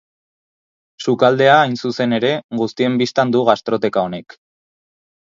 Sukaldea, hain zuzen ere, guztien bistan du gastroteka honek.